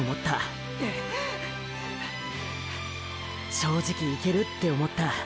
正直いけるって思った。